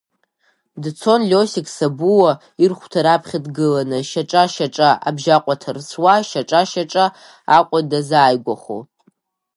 Дцон Лиосик Сабуа ирхәҭа раԥхьа дгыланы, шьаҿа-шьаҿа Абжьаҟәа ҭарцәуа, шьаҿа-шьаҿа Аҟәа дазааигәахо…